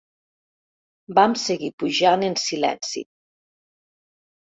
Vam seguir pujant en silenci.